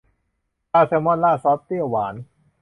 ปลาแซลมอนราดซอสเปรี้ยวหวาน